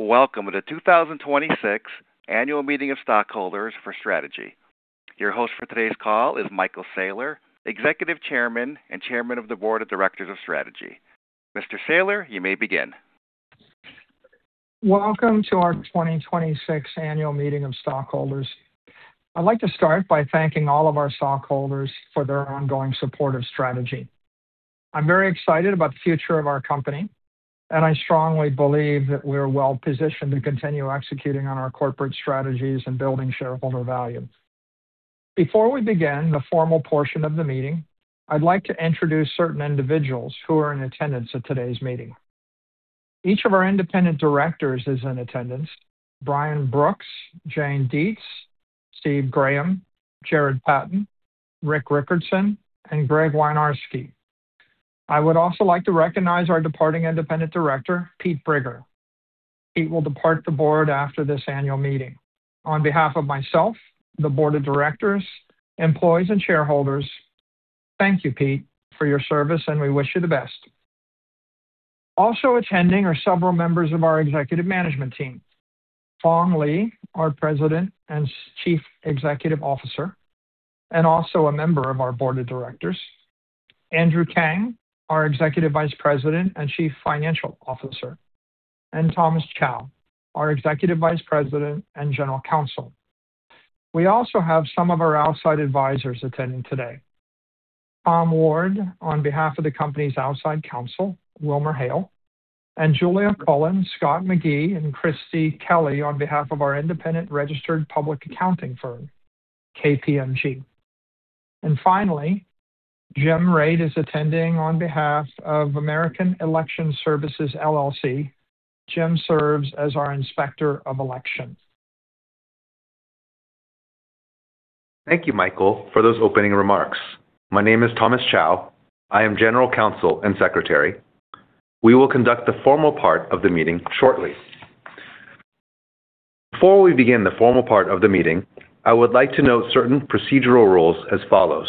Welcome to the 2026 Annual Meeting of Stockholders for Strategy. Your host for today's call is Michael Saylor, Executive Chairman and Chairman of the Board of Directors of Strategy. Mr. Saylor, you may begin. Welcome to our 2026 Annual Meeting of Stockholders. I'd like to start by thanking all of our stockholders for their ongoing support of Strategy. I'm very excited about the future of our company, and I strongly believe that we're well-positioned to continue executing on our corporate strategies and building shareholder value. Before we begin the formal portion of the meeting, I'd like to introduce certain individuals who are in attendance at today's meeting. Each of our independent directors is in attendance. Brian Brooks, Jane Dietze, Steve Graham, Jarrod Patten, Rick Rickertsen, and Gregg Winiarski. I would also like to recognize our departing independent director, Pete Briger. Pete will depart the board after this annual meeting. On behalf of myself, the board of directors, employees, and shareholders, thank you, Pete, for your service, and we wish you the best. Also attending are several members of our executive management team. Phong Le, our President and Chief Executive Officer, and also a member of our board of directors. Andrew Kang, our Executive Vice President and Chief Financial Officer, and Thomas Chow, our Executive Vice President and General Counsel. We also have some of our outside advisors attending today. Tom Ward, on behalf of the company's outside counsel, WilmerHale, and Julia Cullen, Scott McGee, and Christy Kelly on behalf of our independent registered public accounting firm, KPMG. Finally, Jim Raitt is attending on behalf of American Election Services, LLC. Jim serves as our Inspector of Election. Thank you, Michael, for those opening remarks. My name is Thomas Chow. I am General Counsel and Secretary. We will conduct the formal part of the meeting shortly. Before we begin the formal part of the meeting, I would like to note certain procedural rules as follows.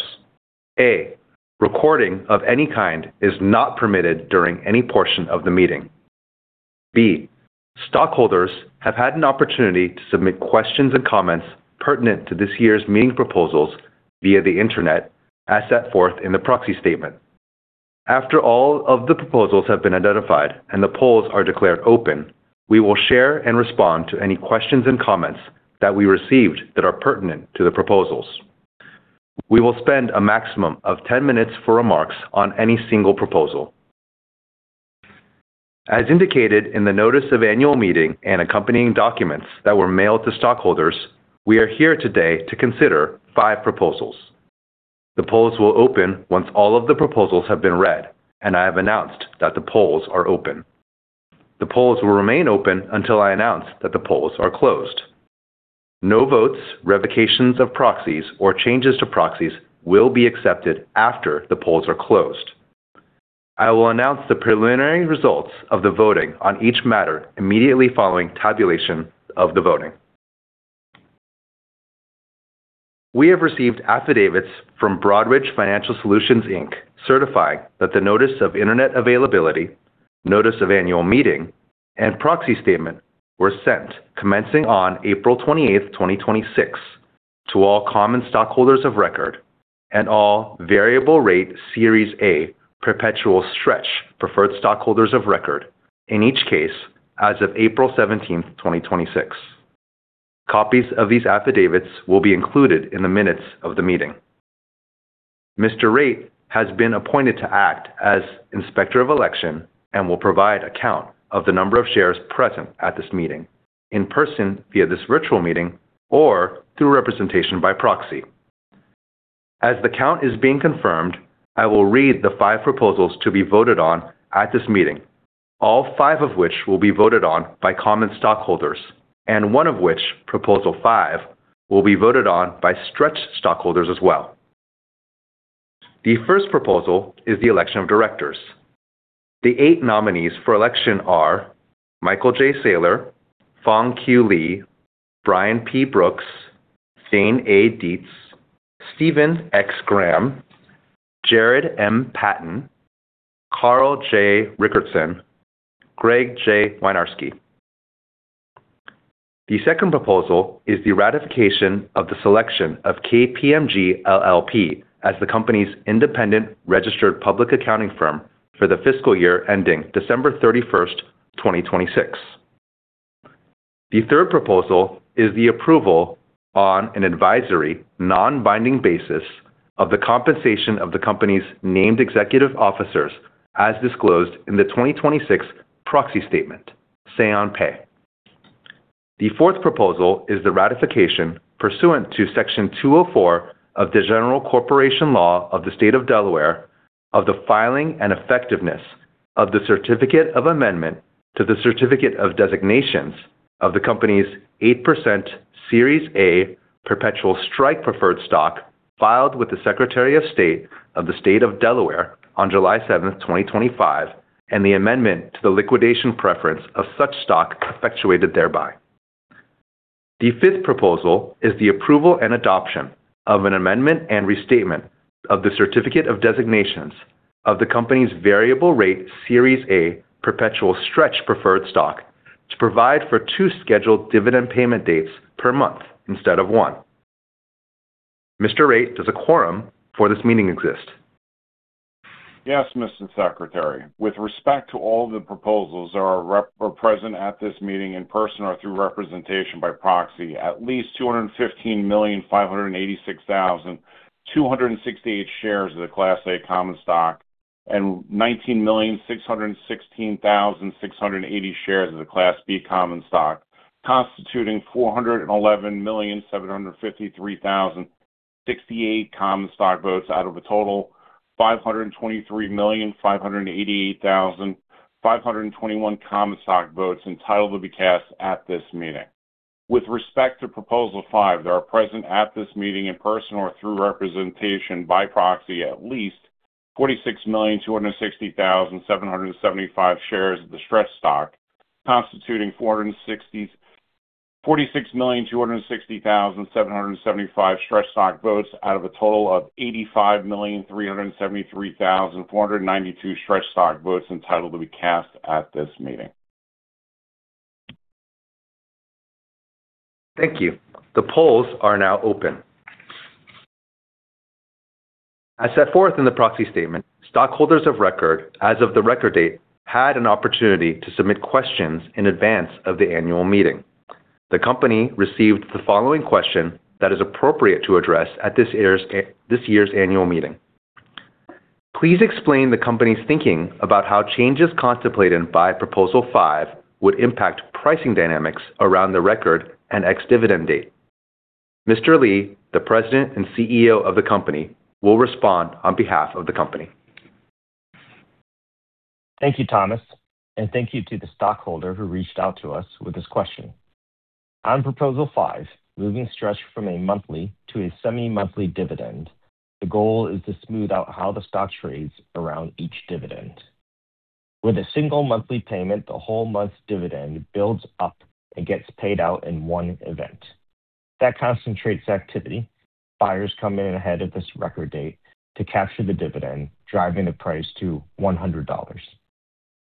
A, recording of any kind is not permitted during any portion of the meeting. B, stockholders have had an opportunity to submit questions and comments pertinent to this year's meeting proposals via the Internet, as set forth in the proxy statement. After all of the proposals have been identified and the polls are declared open, we will share and respond to any questions and comments that we received that are pertinent to the proposals. We will spend a maximum of 10 minutes for remarks on any single proposal. As indicated in the notice of annual meeting and accompanying documents that were mailed to stockholders, we are here today to consider five proposals. The polls will open once all of the proposals have been read, and I have announced that the polls are open. The polls will remain open until I announce that the polls are closed. No votes, revocations of proxies, or changes to proxies will be accepted after the polls are closed. I will announce the preliminary results of the voting on each matter immediately following tabulation of the voting. We have received affidavits from Broadridge Financial Solutions, Inc., certifying that the notice of Internet availability, notice of annual meeting, and proxy statement were sent commencing on April 28th, 2026, to all common stockholders of record and all variable rate Series A perpetual STRC preferred stockholders of record, in each case as of April 17th, 2026. Copies of these affidavits will be included in the minutes of the meeting. Mr. Raitt has been appointed to act as Inspector of Election and will provide a count of the number of shares present at this meeting in person, via this virtual meeting, or through representation by proxy. As the count is being confirmed, I will read the five proposals to be voted on at this meeting, all five of which will be voted on by common stockholders, and one of which, proposal five, will be voted on by STRC stockholders as well. The first proposal is the election of directors. The eight nominees for election are Michael J. Saylor, Phong Q. Le, Brian P. Brooks, Jane A. Dietze, Stephen X. Graham, Jarrod M. Patten, Carl J. Rickertsen, Gregg J. Winiarski. The second proposal is the ratification of the selection of KPMG LLP as the company's independent registered public accounting firm for the fiscal year ending December 31st, 2026. The third proposal is the approval on an advisory, non-binding basis of the compensation of the company's named executive officers as disclosed in the 2026 proxy statement, Say-on-Pay. The fourth proposal is the ratification pursuant to Section 204 of the General Corporation Law of the State of Delaware of the filing and effectiveness of the certificate of amendment to the Certificate of Designations of the company's 8% Series A perpetual STRC preferred stock filed with the Secretary of State of the State of Delaware on July 7th, 2025, and the amendment to the liquidation preference of such stock effectuated thereby. The fifth proposal is the approval and adoption of an amendment and restatement of the Certificate of Designations of the company's variable rate Series A perpetual STRC preferred stock to provide for two scheduled dividend payment dates per month instead of one. Mr. Raitt, does a quorum for this meeting exist? Yes, Mr. Secretary. With respect to all the proposals, there are present at this meeting in person or through representation by proxy, at least 215,586,268 shares of the Class A common stock and 19,616,680 shares of the Class B common stock, constituting 411,753,068 common stock votes out of a total 523,588,521 common stock votes entitled to be cast at this meeting. With respect to proposal five, there are present at this meeting in person or through representation by proxy, at least 46,260,775 shares of the STRC stock, constituting 46,260,775 STRC stock votes out of a total of 85,373,492 STRC stock votes entitled to be cast at this meeting. Thank you. The polls are now open. As set forth in the proxy statement, stockholders of record as of the record date had an opportunity to submit questions in advance of the annual meeting. The company received the following question that is appropriate to address at this year's annual meeting. Please explain the company's thinking about how changes contemplated by proposal five would impact pricing dynamics around the record and ex-dividend date. Mr. Le, the President and Chief Executive Officer of the company, will respond on behalf of the company. Thank you, Thomas, and thank you to the stockholder who reached out to us with this question. On proposal five, moving STRC from a monthly to a semi-monthly dividend, the goal is to smooth out how the stock trades around each dividend. With a single monthly payment, the whole month's dividend builds up and gets paid out in one event. That concentrates activity. Buyers come in ahead of this record date to capture the dividend, driving the price to $100.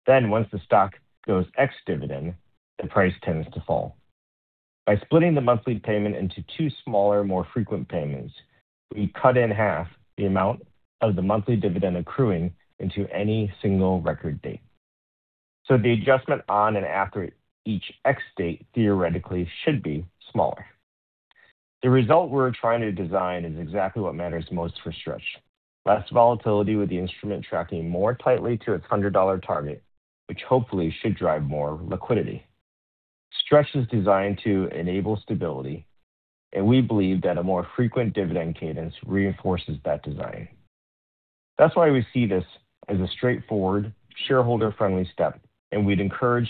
Then, once the stock goes ex-dividend, the price tends to fall. By splitting the monthly payment into two smaller, more frequent payments, we cut in half the amount of the monthly dividend accruing into any single record date. The adjustment on and after each ex-date theoretically should be smaller. The result we're trying to design is exactly what matters most for STRC. Less volatility with the instrument tracking more tightly to its $100 target, which hopefully should drive more liquidity. STRC is designed to enable stability, and we believe that a more frequent dividend cadence reinforces that design. That's why we see this as a straightforward, shareholder-friendly step. We'd encourage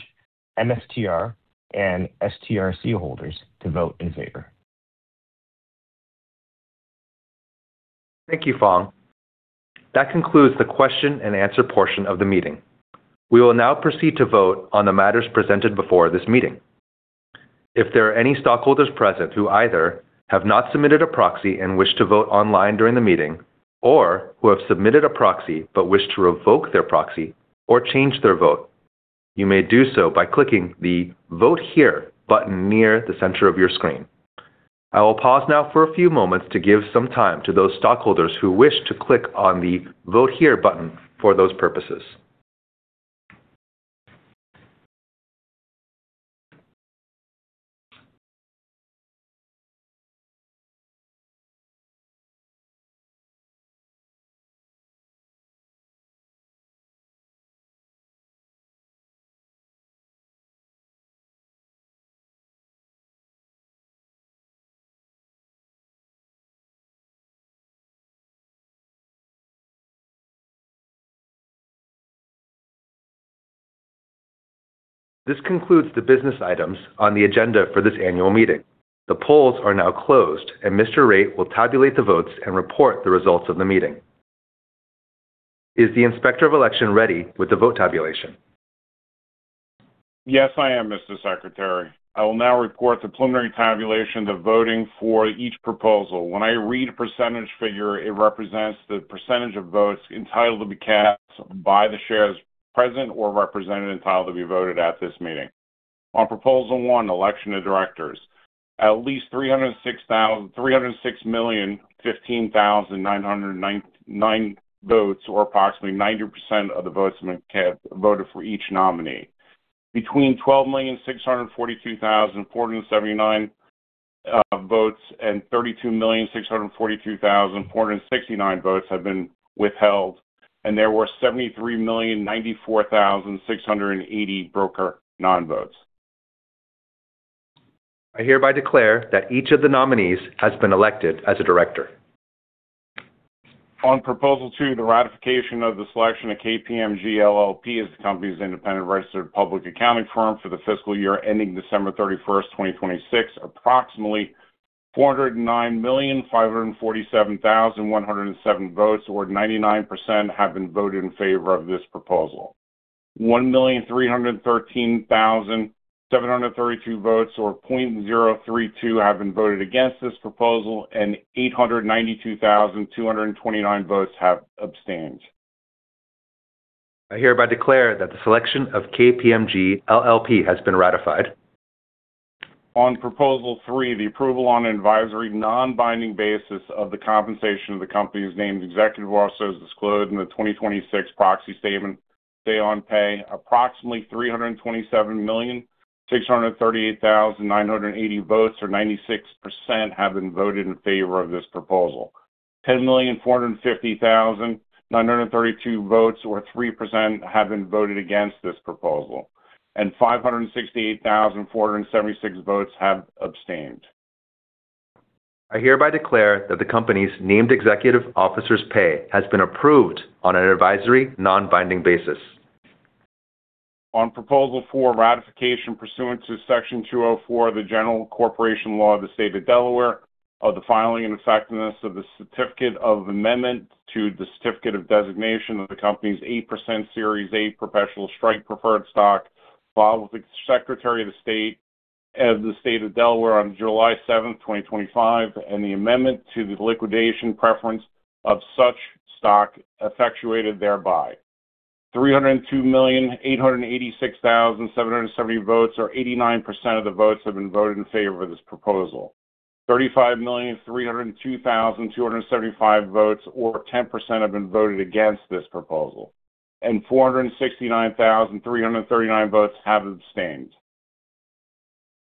MSTR and STRC holders to vote in favor. Thank you, Phong. That concludes the question and answer portion of the meeting. We will now proceed to vote on the matters presented before this meeting. If there are any stockholders present who either have not submitted a proxy and wish to vote online during the meeting or who have submitted a proxy but wish to revoke their proxy or change their vote, you may do so by clicking the Vote Here button near the center of your screen. I will pause now for a few moments to give some time to those stockholders who wish to click on the Vote Here button for those purposes. This concludes the business items on the agenda for this annual meeting. The polls are now closed, and Mr. Raitt will tabulate the votes and report the results of the meeting. Is the Inspector of Election ready with the vote tabulation? Yes, I am, Mr. Secretary. I will now report the preliminary tabulation of voting for each proposal. When I read a percentage figure, it represents the percentage of votes entitled to be cast by the shares present or represented entitled to be voted at this meeting. On proposal one, election of directors, at least 306,015,909 votes, or approximately 90% of the votes entitled to be cast, voted for each nominee. Between 12,642,479 votes and 32,642,469 votes have been withheld, and there were 73,094,680 broker non-votes. I hereby declare that each of the nominees has been elected as a director. On proposal two, the ratification of the selection of KPMG LLP as the company's independent registered public accounting firm for the fiscal year ending December 31st, 2026, approximately 409,547,107 votes or 99% have been voted in favor of this proposal. 1,313,732 votes or 0.032 have been voted against this proposal, and 892,229 votes have abstained. I hereby declare that the selection of KPMG LLP has been ratified. On proposal three, the approval on an advisory non-binding basis of the compensation of the company's named executive officers disclosed in the 2026 proxy statement say on pay, approximately 327,638,980 votes or 96% have been voted in favor of this proposal. 10,450,932 votes or 3% have been voted against this proposal. 568,476 votes have abstained. I hereby declare that the company's named executive officer's pay has been approved on an advisory non-binding basis. On proposal four, ratification pursuant to Section 204 of the General Corporation Law of the State of Delaware of the filing and effectiveness of the certificate of amendment to the certificate of designation of the company's 8% Series A perpetual STRK preferred stock filed with the Secretary of the State of the State of Delaware on July 7th, 2025, and the amendment to the liquidation preference of such stock effectuated thereby. 302,886,770 votes or 89% of the votes have been voted in favor of this proposal. 35,302,275 votes or 10% have been voted against this proposal. 469,339 votes have abstained.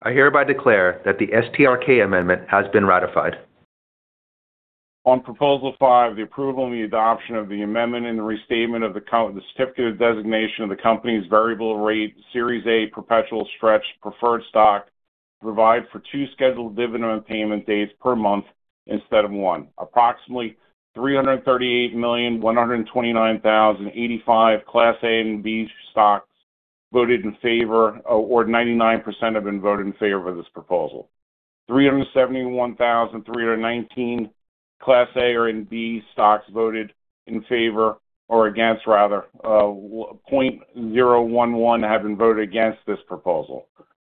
I hereby declare that the STRK amendment has been ratified. On proposal five, the approval and the adoption of the amendment and the restatement of the Certificate of Designations of the company's variable rate Series A perpetual STRC preferred stock provide for two scheduled dividend payment dates per month instead of one. Approximately 338,129,085 Class A and B stocks voted in favor or 99% have been voted in favor of this proposal. 371,319 Class A and B stocks voted in favor or against rather, 0.011 have been voted against this proposal.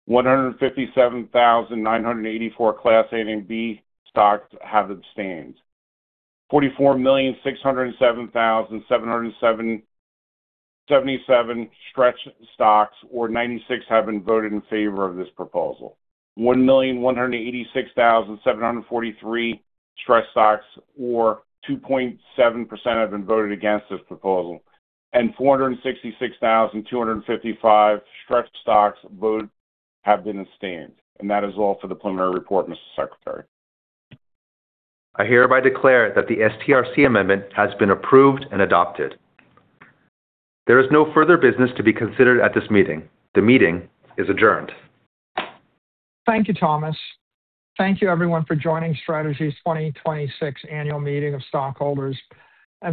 157,984 Class A and B stocks have abstained. 44,607,777 STRC stocks or 96% have been voted in favor of this proposal. 1,186,743 STRC stocks or 2.7% have been voted against this proposal, 466,255 STRC stocks vote have been abstained. That is all for the preliminary report, Mr. Secretary. I hereby declare that the STRC amendment has been approved and adopted. There is no further business to be considered at this meeting. The meeting is adjourned. Thank you, Thomas. Thank you, everyone, for joining Strategy's 2026 annual meeting of stockholders.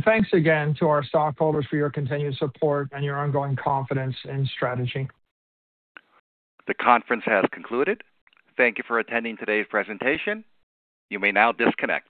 Thanks again to our stockholders for your continued support and your ongoing confidence in Strategy. The conference has concluded. Thank you for attending today's presentation. You may now disconnect.